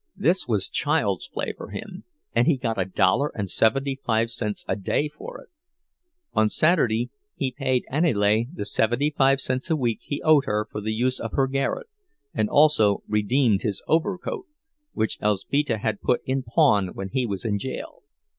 This was child's play for him, and he got a dollar and seventy five cents a day for it; on Saturday he paid Aniele the seventy five cents a week he owed her for the use of her garret, and also redeemed his overcoat, which Elzbieta had put in pawn when he was in jail.